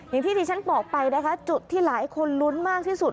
อย่างที่ที่ฉันบอกไปนะคะจุดที่หลายคนลุ้นมากที่สุด